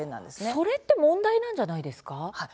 それは問題なんじゃないですか。